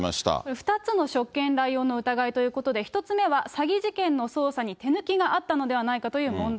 ２つの職権乱用の疑いということで、１つ目は詐欺事件の捜査に手抜きがあったのではないかという問題。